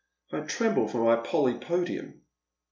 I tremble for my polypodium."